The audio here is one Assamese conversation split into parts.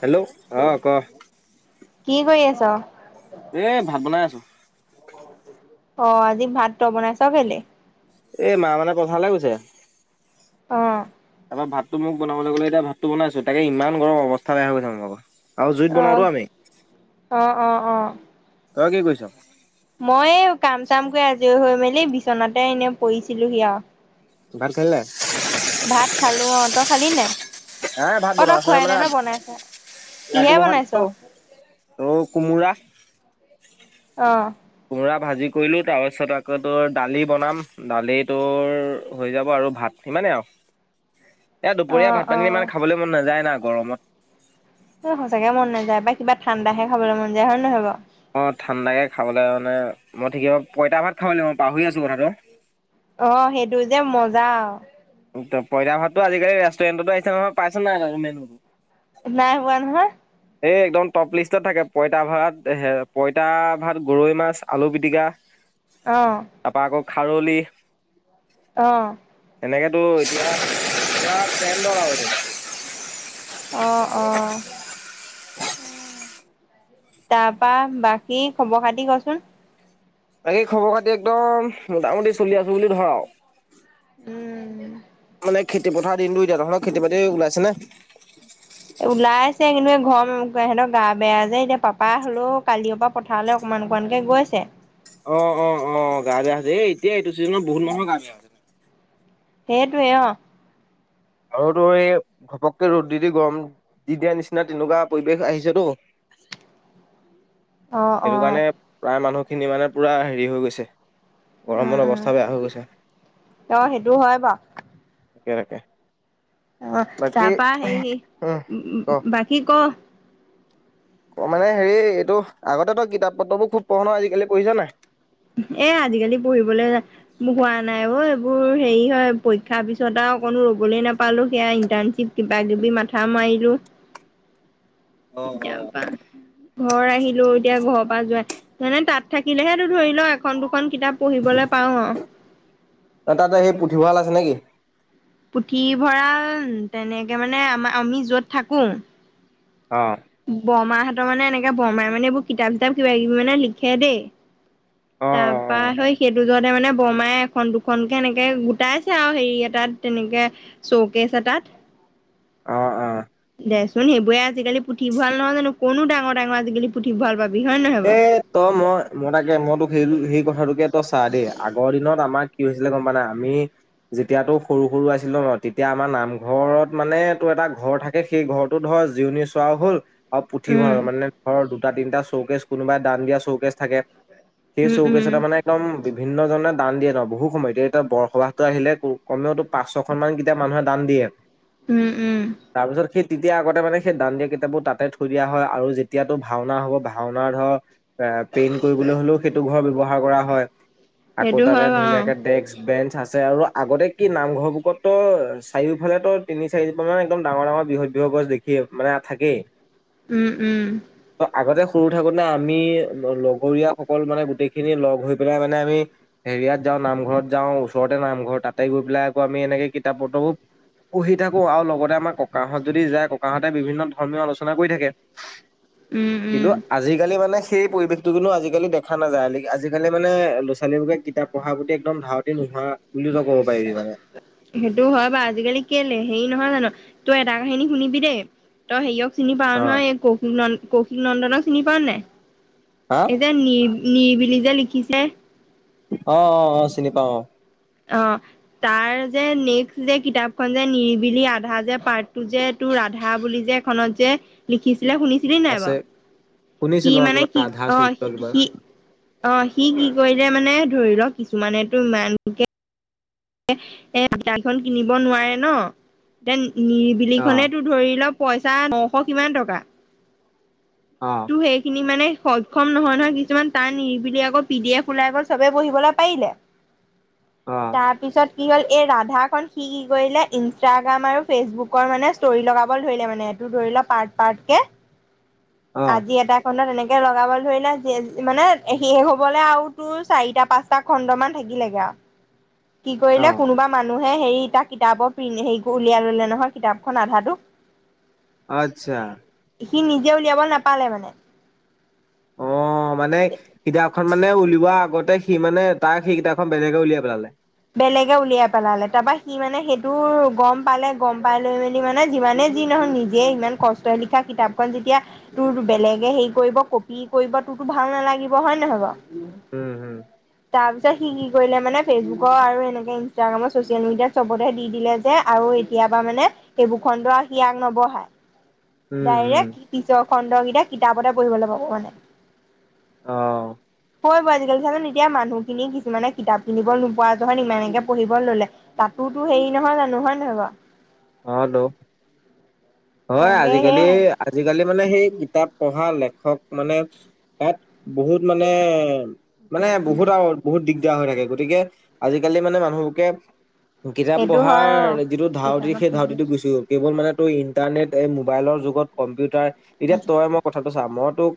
হেল্ল' অ' ক। কি কৰি আছ। এ ভাত বনাই আছো। অ', আজি ভাত তই বনাইচ কেলে? এ মা মানে পথাৰলে গৈছে। অহ ', তাৰপৰা ভাতটো মোক বনাবলৈ গ'লে এতিয়াাতটো বনাইছো তাকে ইমান গৰৱ অৱস্থা বে হৈ গৈছে মোৰ আকৌ আৰু জুইত অ বনাওঁতো আমি। অ অ অ', তই কি কৰিছ? মই কাম চাম কৰি আজি হৈ মেলি বিচনাতে এনে পৰিছিলোহি আও। ভাত খালি নে নাই? ভাত খালো অ, তই খালি নে নাই। নাই ভাত অ বনোৱা তই আছে খোৱাই নাই ন মানে বনাইছ? কিহে ৰাতিপুৱা বনাইছ? ভাত তো কোমোৰা অ', কোমোৰা ভাজি কৰিলো তাৰ পিছত আকৌ তোৰ দালি বনাম দালি তোৰ হৈ যাব আৰু। আৰু ভাত সিমানেই আৰু [inaudible] এয়া দুপৰীয়া ভাত অ পানী ইমান খাবলৈ মন নাযায় না গৰমত। সচাকে মন নযায় বা কিবা ঠাণ্ডাহে খাবলৈ মন যায় হয় নহয় বাৰু। অ, ঠাণ্ডাকৈ খাবলৈ মানে মই ঠিকে পইতা ভাত খাব লাগ মই পাহৰি আছো কথাটো অ', সেইটো যে মজা আও। পইতা ভাতটো আজিকালি ৰেষ্টুৰেণ্টতো আহিছে নহয় পাইছোন নাই আৰু মেনুটো। নাই হোৱা নহয়। এই একদম টপ লিষ্টত থাকে পঁইতা ভাত পইতা ভাত গৰৈ মাছ আলু পিটিকা। অ', তাৰপৰা আকৌ খাৰলি। অ', তেনেকেতো এতিয়াটো অ', অ', তাৰপা বাকী খবৰ খাতি কচোন? বাকেই খবৰ খাতি একদম মোটামুটি চলি আছো বুলি ধৰ আও। উম', মানে খেতি পথাৰ দিনটো এতিয়া ধৰক খেতি বাতি ওলাইছে নে? ওলাই- কিন্তু ঘৰৰ ওম সিহঁতৰ গা বেয়া যে এতিয়া পাপা হলেও কালিৰ পৰা পথাৰলৈ অকমান অকণমানকে গৈছে। অ', অ ', অ ', গা বেয়া আ হৈছে এই এতিয়া এইটো চিজনত বহুত মানুহৰ গা বেয়াা হৈছে তেনেকে। সেইটোৱে অ', আৰুতো এই ঘপককে ৰ'দ দি দি গৰম দিয়া-দিয়াৰ নিচিনা তেনেকুৱা পৰিৱেশ আহিছেতো। [unintelligible] অ অ সেইটো কাৰণে প্ৰায় মানুহখিনি মানে পুৰা হেৰি হৈ গৈছে। উম গৰমৰ উম অৱস্থা বেয়া হৈ গৈছে অ সেইটো হয় বাৰু তাকে-তাকে। অ, তাৰপা সেই উম উ বাকী ক? অ', মানে হেৰি এইটো আগতে তই কিতাপ পত্ৰবোৰ খুব পঢ় নহয় আজিকালি পঢ়িছা নাই? এ আজিকালি পঢ়িবলৈ হোৱা নাই অ, এইবোৰ, হেৰি হয় পৰীক্ষাৰ পিছত আৰু অকণো ৰ'বলৈ নাপালো সেয়া ইন্টাৰ্ণশ্বিপ কিবা কিবি মাথা মাৰিলো। অ সিকাপা [unintelligible] ঘৰ আহিলো এতিয়া ঘৰৰ পৰা যাই মানে তাত থাকিলেহেো ধৰি ল এখন দুখন কিতাপ পঢ়িবলৈ পাওঁ আও। তাতে সেই পুথিভঁৰাল আছে নেকি? পুথিভঁৰাল তেনেকে মানে আমাৰ আমি যত থাকোঙ। অ বৰমাহঁতৰ মানে এনেক বৰমাই মানে এইবোৰ কিতাপ কিতাপ কিবা কিবি মানে লিখে দেই অ তাৰপা অ হেই সেইটো যতে মানে বৰমাই এখন দুখনকে এনেকে গোটাইছে আৰু হেৰি এটাত তেনেকে চৌকছে এটাত। [unintelligible] অ', অ', দে চোন সেইবোৰে আজিকালি পুথিভঁৰাল নহয় জানো কৰনো ডাঙৰ-ডাঙৰ আজিকালি পুথিভঁৰাল ভাল পাবি। হয় নহয় এ বাৰু তই মই-মই তাকে মই তোক সেই-সেই কথাটোকে তই চা দেই আগৰ দিনত আমাক কি হৈছিলে গম প না আমি যেতিয়াাতটো সৰু সৰু আছিলো ন তেতিয়া আমাৰ নামঘৰত মানে ত এটা ঘৰ থাকে সেই ঘৰটো ধৰ জিৰণি চোৱাও হল। অ উম পুথিভঁৰাল মানে ধৰ দুটা তিনিটা শৌকেছ কোনোবাই দান দিয়া শৌকছ থাকে। সেই উম উম চৈকেচতমানে মানে একদম বিভিন্নজনে দান দিয়ে ন বহু সময় এ এতিয়া বৰসবাহটো আহিলে কমেওতো পাঁচ ছখনমান কিতাপ মানুহে দান দিয়ে। উম 'উম'। তাৰপিছত সেই তেতিয়া আগতে মানে সেই দাণ্ দিয়া কিতাপ বোৰ তাতে থৈ দিয়া হয় আৰু যেতিয়াতো ভাওনা হ'ব ভাওনাৰ ধৰ এ পেইন কৰিবলৈ হ'লেও সেইটো ঘৰ ব্যৱহাৰ কৰা হয় আকৌ সেইটো তাতে হয় বাৰু ধুনীয়াকে ডেক্ক-বেঞ্চ, আছে আৰু আগতে কি নামঘৰ বুকত তো চাৰিওফালে তো তিনি চাৰিান মান একদম ডাঙৰ ডাঙৰ বিহত দু গছ দেখি মানে থাকেই উম' উম'। আগতে সৰু থাকোতে আমি লগৰীয়া সকল মানে গোটেই খিনি লগ হৈ পেলাই মানে আমি হেৰিয়াত যাম। নামঘৰত যাওঁ ওচৰতে নামঘৰ তাতে গৈ পেল আকৌ আমি এনেকে কিতাপ পতবো পহি থাকোঁ আৰু লগতে আমাৰ ককাহঁত যদি যায় ককাহঁতে বিভিন্ন ধৰ্মীয় আলোচনা কৰি থাকে উম কিন্তু উম আজিকালি মানে সেই পৰিৱেশতটো কিন্তু আজিকালি দেখা নাযায়, আজিকালি মানে ল'ৰা ছোৱালীক বোৰকে কিতাপ পঢ়াৰ প্ৰতি একদম ধাউতি নোহোৱা বুলি তই ক'ব পাৰিবি মানে সেইটো হয় বাাৰ, আজিকালি কেলে হেৰি নহয় জানো তই এটা কাহিনী শুনিবি দেই, তই সেয়ক চিনি পাও অ নহয়, এই ক কৌশিক নন্দনক চিনি পোৱা নাই? হা এই যে নি নিবিলি যে লিখিছে। অ অ অ চিনি পাও অ অ' তাৰ যে নেক্সট যে কিতাপখন যে নিৰিবিলি আধা যে, পাৰ্টটো যে তোৰ ৰাধা বুলি যে এখনত যে লিখিছিলে। শুনিছিলি নাই আছে বাৰু? সি শুনিছিলো অ মানে, কিবা কি ৰাধা অ' চৰিত্ৰ কিবা সি অ সি কি কৰিলে মানে ধৰি লওক কিছুমানেতো ইমানকে এ এ দাইখনন কিনিব নোৱাৰে ন এয়া নিৰিবিলি অ খনেতো ধৰি লওক পইচা নশ কিমান টকা। অ তো সেইখিনি মানে সক্ষম নহয় নহয় কিছুমান টান নিবিলি আকৌ পি ডি এফ ওলাই গ'ল চবে পঢ়িবলৈ পাৰিলে। অ তাৰপিছত কি হ'ল এই ৰাধাখন সি কি কৰিলে, ইনষ্টাগ্ৰাম আৰু ফেচবুকৰ মানে ষ্টৰি লগাব ধৰিলে মানে ধৰি ল পাৰ্ট পাৰ্টকে, অ আজি এটা খত এনেকে লগাব ধৰিলো মানে শেষ হ'বলৈ আৰু তোৰ চাৰিটা পাঁচটা খণ্ডমান থাকিল লেগে আওঁ কি অ কৰিলো কোনোবা মানুহ হে হেৰি তাৰ কিতাপৰ প্ৰি হেৰি উলিয়াই ললে নহয়, কিতাপখন আধাটো। আচ্ছা। সি নিজে উলিয়াব নাপালে মানে? অ মানে কিতাপখন মানে উলিওৱা আগতে সি মানে তাৰ সেই কেইটা খন বেলেগে উলিয়াই পেলালে বেলেগে উলিয়াই পেলালে, তাৰপা সি মানে সেইটো গম পালে, গম পাই লৈ মেলি মানে যিমানে যি নহয় নিজে ইমান কষ্ট লিখা কিতাপখন যেতিয়া, তোৰ বেলেগে হেৰি কৰিব, কপি কৰিব তোৰো ভাল নালাগিব হয় নহয় বাৰু। উম হম। তাৰপিছত সি কি কৰিলে মানে ফেচবুকৰ আৰু এনেকে ইনষ্টাগ্ৰামৰ চচিয়েল মিডিয়াত চবতেহ দি দিলে যে আৰু এতিয় পৰাা মানে সেইবোৰ খণ্ড আৰু সি আগ নবঢ়াই উম উম ডাইৰেক্ট পিছ খণ্ডকেইটা কিতাপতে পঢ়িবলৈ পাব মানে। অ'হ। ক [unintelligible] আজিকালি চোন এতিয়া মানুহখিনি কিছুমানে কিতাপ কিনিব নোপোৱা যহত ইমানেকে পঢ়িব ললে, তাতো তো হেৰি নহয় জানো, হয় নহয় বাও? অ হেল্ল' হয় তাকে আজিকালি আজিকালি মানে সেই কিতাপ পঢ়া লেখক মানে তাত বহুত মানে মানে সেই বহুত আৰু বহুত দিগদাৰ হৈ থাকে গতিকে আজিকালি মানে মানুহবোকে কিতাপ সেইটো হয় পঢ়াৰ অ যিটো ধাউতি সেই ধাউতিটো গুছি গল, কেৱল মানে তো ইণ্টাৰনেট এই মোবাইলৰ যুগত কম্পিউটাৰ এতিয়া তই মই কথাটো চা, মইতোক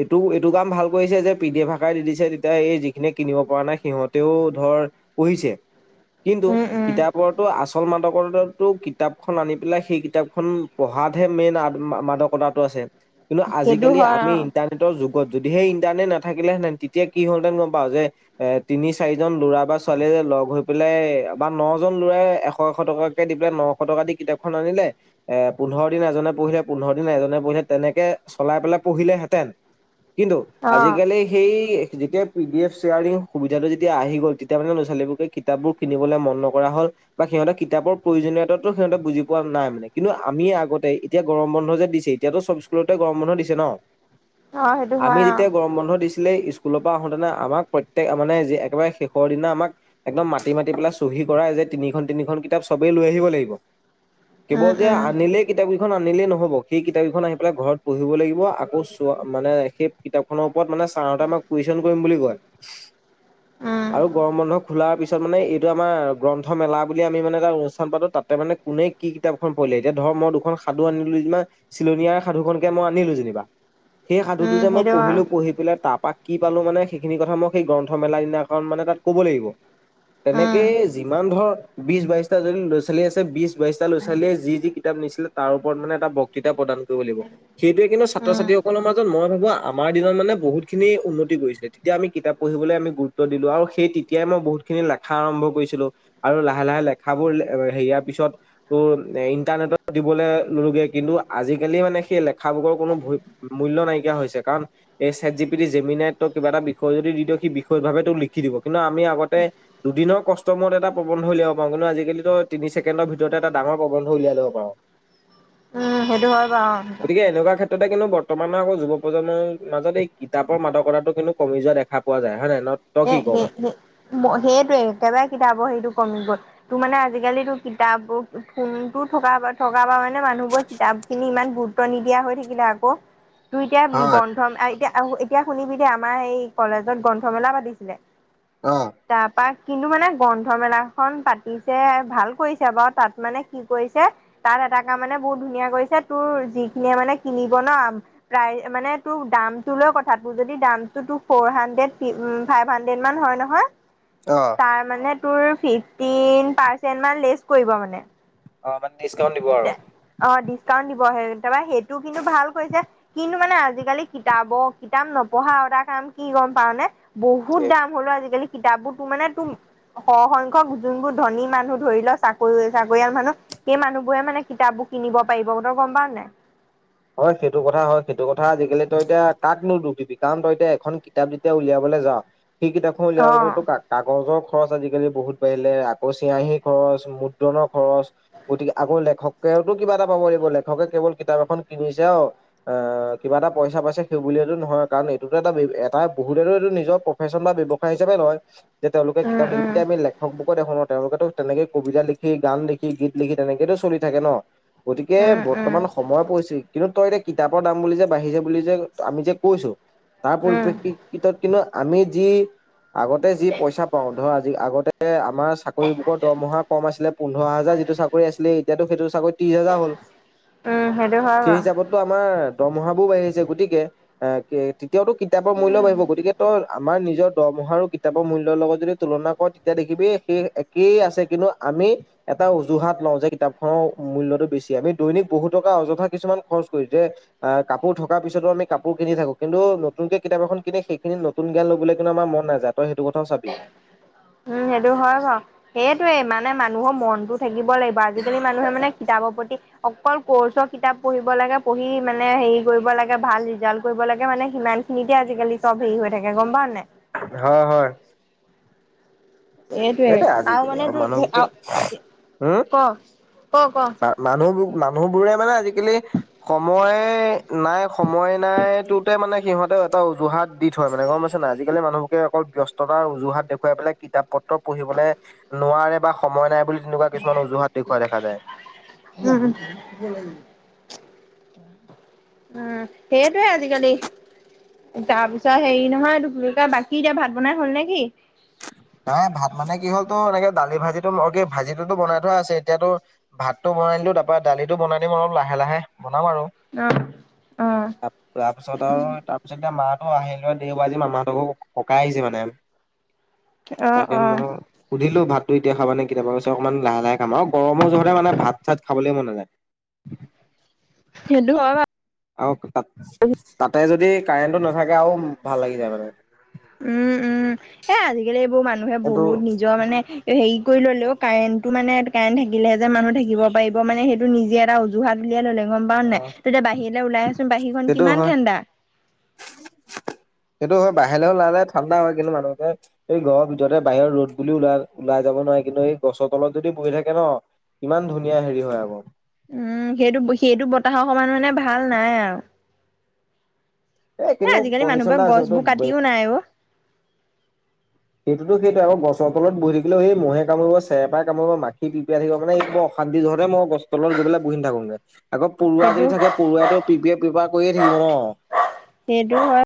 এইটো এইটো কাম ভাল কৰিছে যে, ‌পি ডি এফ শাষাই দি দিছে, তেতিয়া এই যিখিনি কিনিব পৰা নাই সিহঁতেও ধৰ পঢ়িছে কিন্তু উম উম কিতাপৰতো আচল মাদকতো কিতাপখন আনি পেলাই সেই কিতাপ পঢ়াতহে মেইন মাদকতাটো আছে, কিন্তু সেইটো আজালি হয় আমি অ ইন্টাৰনেটৰ যদি সেই ইণ্টাৰনেট নাথাকিলেতেন তেতিয়া কি হ'লহেতেন গম পাও, যে তিনি চাৰিজন ল'ৰা বা ছোৱালী লগ হৈ পেলাই, বা ন জন লৰা এশ এশ টকাকে দি পেলাই নশ টকা দি কিতাপখন আনিলে এ পোন্ধৰ দিন এজনে পঢ়িলে পোন্ধৰ দিন এজনে পঢ়িলে তেনেকে চলাই পেলাই পঢ়িলেহেঁতেন কিন্তু অ আজিকালি সেই যেতিয়া পি ডি এফ শ্বেয়াৰিং সুবিধাটোতিয়া আহি গ'ল, তেতিয়া মানে ল'ৰা ছালীবকে কিতাপবোৰ কিনিবলৈ মন নৰা হ'ল বা সিহঁতে কিতাপৰ প্ৰয়োজনীয়তাতো সিহঁতে বুজি পোৱা নাই মানে। কিন্তু আমিয়ে আগতে এতিয়া গৰম বন্ধ যে দিছে, এতিয়াতো চব স্কুলতে গৰম বন্ধ দিছে ন। অ সেইটো আমি হয় অ যেতিয়া গৰম বন্ধ দিছো। আছিলে স্কুলৰ পৰা আহোতেনে আমাক প্ৰত্যেক মানে একেবাৰে শেষৰ দিনা আমাক একদম মাতি মাতি পেলাই চহী হেৰি কৰা যে তিনিখন, তিনিখন কিতাপ চবেই লৈ আহিব লাগিব। [inaudible] কেৱল যে উম আনিলে কিতাপ সেইখন আনিলে নহ'ব সেই কিতাপ কেইখন আনি পেলাই ঘৰত পঢ়িব লাগিব আকৌ ছ মানে সেই কিতাপখনৰ কত মানে ছাৰ হতে আমাক কোৱেইছন কৰিম বুলি কয় উম আৰু গৰম বন্ধ খোলাৰ পিছত পিছত মানে এইটো আমাৰ গ্ৰন্থ মেলা বুলি আমি মানে এটা অনুষ্ঠান পাতো তাতে মানে কোনে কি কিতাপ খন পৰিলে এতিয়া ধৰ মই দুখন সাধু আনিলো। যেনিবা চিলনিয়াৰ সাধুখনকে মই আনিলো যেনিবা। সেই সাধুটো উম যে মই সেইটো হয় পঢ়িলো পঢ়ি পেলাই। তাৰাপাক কি পালো মানে সেইখিনি কথা মই সেই গ্ৰন্থমেলা দিনাখন মানে তাত ক'ব লাগিব। উম তেনেকেই যিমান ধৰ বিশ বাইশটা যদি ল'ৰা-ছোৱালী আছে, বিশ বাইশটা লৈ ছোৱাল ছোৱালীয়ে যি যি কিতাপ নিছিলে তাৰ ওপৰত মানে এটা বক্তৃতা প্ৰদান কৰিব লাগিব, সেইটোয়ে কিন্তু ছাত্ৰ উম ছাত্ৰীসকলৰ মাজত মই ভাবো আ আমাৰ দিনত মানে বহুত খিনি উন্নতি কৰিছিলে, তেতিয়া আমি কিতাপ পঢ়িবলৈ আমি গুৰুত্ব দিলোঁ আৰু সেই তেতিয়াই মই বহুত খিনি লেখা আৰম্ভ কৰিছিলো আৰু লাহে লাহে লেখাবোৰ হেৰিয়াৰ পিছত ইণ্টাৰনেটত দিবলে নলোগে কিন্তু আজিকালি মানে সেই খাব বুকৰ কোনো মূল্য নাই। এয়া হৈছে কাৰণ এই চেটজিপিটি জেমিনে তোক কিবা এটা বিষয় যদি দি দিয়ক সি বিষয় ভাবে তোক লিখি দিব। কিন্তু আমি আগতে দুদিনৰ কষ্ট মূৰত এটা প্ৰবন্ধ উলাব পাৰো, কিন্তু আজিকালিতো তিনি ছেকেণ্ডৰ ভিতৰতে এটা ডাঙৰ প্ৰবন্ধ উলিয়াই লব পাৰো। উ'ম সেইটো হয় বাৰু। গতিকে এনেকুৱা কিন্তু ক্ষেত্ৰতে বৰ্তমানৰ আকৌ যুৱ প্ৰজন্মৰ মাজত এই কিতাপৰ মাদকতাটো কিন্তু কমি যোৱা দেখা পোৱা যায়। হয় নাই ন তই এ! কি ক সেই, মানে? সেই, মই সেইটোৱে একেবাৰে কিতাপৰ হেৰিটো কমি গ'ল। তোৰ মানে আজিকালি তোৰ কিতাপবোৰ ফোনতো থকা থকাৰ পৰা মানে মানুহ বোৰ কিতাপখিনি ইমান গু গুৰুত্ব নিদিয়া হৈ থাকিলে আকৌ। তই এতিয়া হয় গ্ৰন্থম এতিয়া, এতিয়া শুনিবি দে আমাৰ সেই কলেজত গ্ৰন্থমেলা পাতিছিলে। অ তাৰ পা। কিন্তু মানে গ্ৰন্থ মেলা খন পাতিছে ভাল কৰিছে। বাৰু তাত মানে কি কৰিছে? তাৰ এটা কাম মানে বহুত ধুনীয়া কৰিছে, তোৰ যিখিনিয়ে মানে কিনিব ন প্ৰায় মানে তোৰ দাম তোৰ লগত কথা তোৰ যদি দামটো তোক ফৰ হানড্ৰেদ। [unintelligible] ফাইভহুন্দ্ৰেড মান হয় নহয় অ তাৰ মানে। তোৰ ফিফটিন পাৰ্চেণ্ট মান লেছ কৰিব মানে। অ মানে ডিছকাউণ্ট দিব আৰু। অ', ডিচকাউণ্ট দিব আহে। তাৰবা সেইটো কিন্তু ভাল কৈছে, কিন্তু মানে আজিকালি কিতাপৰ কিতাপ নপঢ়া আৰু এটা কাম কি? গম পাওঁ নে বহুত দাম হলোঁ আজিকালি। কিতাপবোৰ তোৰ মানে তো সসংখক যোনবোৰ ধনী মানুহ ধৰি ল চাকৰি চাকৰিয়াল মানুহ সেই মানুহবোৰে মানে কিতাপবোৰ কিনিব পাৰিব তই গম পাও নে নাই। হয়, সেইটো কথা হয় সেইটো কথা আজিকালি তই এতিয়া কাকনো দোষ দিবি, কাৰণ তই এতিয়া এখন কিতাপ যেতিয়া উলিয়াব। [unintelligible] সেই কিতাপখন অ উলিয়াবলে তোৰ কাগজৰ খ খৰচ আজিকালি বহুত বাঢ়িলে আকৌ চিয়াহী খৰচ মুদ্ৰণৰ খৰচ গতিকে আকৌ লেখকে তইতো কিবা এটা পাব লিব লেখকে কেৱল কিতাপ এখন - কিনিছে অ', অ' কিবা এটা পইচা পাইছে সেই বুলিয়েটো নহয়, কাৰণ এইটোতো এটা এটা বহুতেটো এইটো নিজৰ প্ৰফেশন বা ব্যৱসায় হিচাপে লয়, যে তেওঁলোকে উম কিতাপ উম লিখোতে আমি লেখক বুকত এখনত তেওঁলোকেতো তেনেকে কবিতা লিখি, গান লিখি, গীত লিখি তেনেকেতো চলি থাকে ন। গতিকে উম উম বৰ্তমান সময় পৰিছে। কিন্তু তই এতিয়া কিতাপৰ দাম বুলি যে বাঢ়িছে বুলি যে আমি যে কৈছো। তাৰ উম পৰিপ্ৰেক্ষিতত কিন্তু আমি যি আগতে যি পইচা পাওঁ ধৰ আজি আগতে আমাৰ চাকৰি বোকৰ দৰমহা কম আছিলে পোন্ধৰ হাজাৰ যিটো চাকৰি আছিলে এতিয়াটো সেইটো চাকৰি ত্ৰিছ হাজাৰ হ'ল। উম সেটো [unintelligible] সেই হিচাপততো আমাৰ দৰমহা বোৰ বাঢ়ি আছে গতিকে এ এতিয়াও তো কিতাপৰ মূল্যও উম বাঢ়িব গতিকে তো আমাৰ নিজৰ দৰমহা আৰু কিতাপৰ মূল্যৰ লগত যদি তুলনা কৰে তেতিয়া দেখিবি সেই একেই আছে কিন্তু আমি এটা অজুহাত লওঁ যে কিতাপ খনৰ মূল্যটো বেছি আমি দৈনিক বহু টকা অযথা কিছুমান খৰচ কৰি যে কাপোৰ থকাৰ পিছতো আমি কাপোৰ কিনি থাকো কিন্তু নতুনকে কিতাপ এখন কিনি সেইখিনি নতুন জ্ঞান ল'বলৈ কিন্তু আমাৰ মন নাযায় তই সেইটো কথাও চাবি উম সেইটো হয় বাৰু সেইটোয়ে ইমান মানে মানুহৰ মনটো থাকিব লাগিব আজিকালি মানুহে মানে কিতাপৰ প্ৰতি অকল কৰ্চৰ কিতাপ পঢ়িব লাগ পঢ়ি মানে হেৰি কৰিব লাগে ভাল ৰিজাল্ট কৰিব লাগে মানে সিমানখিনিতে আজিকালি চব হেৰি হৈ থাকে গম পোৱা নাই হ হয় এইটোৱে সেই আজিকালি মানে আৰু তোৰ মানুহকে [unintelligible] উম ক ক ক মানুহবোৰ [unintelligible] মানুহ বোৰে মানে আজিকালি সময় নাই সময় নাই টোতে মানে সিহঁতে এটা উজুহাত দি থৈ মানে গম পাইছেনে নাই আজিকালি মানুহবকে অকল ব্যস্ততাৰ অজুহাত দেখুৱাই পেলাই কিতাপ প- পঢ়িবলৈ নোৱাৰে বা সময় নাই বুলি তেনেকুৱা কিছুমান অজুহাত দেখুওৱা দেখা যায় উম উম সেইটোৱে আজিকালি তাৰ পিছত হেৰি নহয় এইটো কি বুলি কয় বাকী এতিয়া ভাত বনাই হল নেকি? নাই ভাত মানে কি হ'ল তোৰ এনেকে দালি ভাজিটো কি ভাজিতো বনাই থোৱা আছে এতিয়াতো ভাতো বনিলো তাৰ পৰা দালিটো বনাই দিম অলপ লাহে লাহে। বনাম আৰু অ অ তাৰপিছত আৰু তাৰপিছত এতিয়া মা অ আহিলো দেও বাৰ আজি মামাহঁতৰ ককাই আহিছে মানে অ তাকে অ ম সুধিলেও ভা ভাতটো এতিয়া খাবা নাকি [unintelligible] অকমান লাহে লাহে খাম আৰু গৰমৰ জোহতে মানে ভাত চাত খাবলেে মন নযায় [inaudible] হেটো হয় [unintelligible] আৰু ত তাতে যদি কাৰেণ্টটো নাথাকে আৰু ভাল লাগি যায় মানে উম উম এ আজিকালি এইবোৰ মানুহে সেইটো বহুত নিজৰ মানে হেৰি কৰি ললেও কাৰেণ্টটো মানে কাৰেণ্ট থাকিলেহে যে মানুহ থাকিব পাৰিব মানে সেইটো নিজে এটা অজুহাত উলিয়াই ললে গম পাও নাই অ' তেতিয়া বাহিৰলৈ ওলাই আছোন বাহীৰখন সেইটো কিমান হয় ঠাণ্ডা সেইটো হয় বাহিৰলৈওলালে ঠাণ্ডা হয় কিন্তু মানুহে এই ঘৰৰ ভৰতে বাহিৰৰ ৰ'দ বুলিও ওলাই ওলাই যাব নোৱাৰি কিন্তু এই গছৰ তলত যদি বহি থাকে ন কিমান ধুনীয়া হেৰি হয় আকৌ উম সেইটো সেইটো বতাহৰ সমান ভাল নাই আৰু এ কিন্তু আজিকালি কণ্ডিচন এটা মানুহবোৰক গছবোৰ আছে কাটিও নাই অ সেইটো সেইটো আকৌ গছৰ তলত বহি থাকিলে সেই মহে কামৰিব চেৰপাই কামুৰিব মাখি পিৰপিৰাই থাকিব মানে অ কান্দি ধৰে মই গছৰ তলত গৈ পেলাই বহি নাথাকুগে। আকৌ পৰুৱা সেইটো যদি থাকে পৰুৱটো পি পি এ প্ৰি পা কৰিয়ে থাকিব ন সেইটো হয়